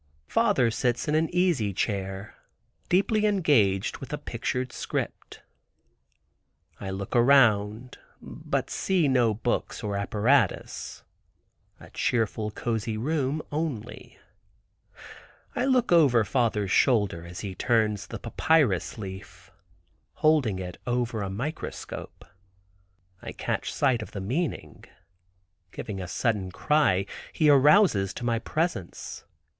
Father sits in an easy chair deeply engaged with a pictured script. I look around but see no books or apparatus—a cheerful, cosy room only. I look over father's shoulder as he turns the papyrus leaf, holding over it a microscope. I catch sight of the meaning. Giving a sudden cry, he arouses to my presence.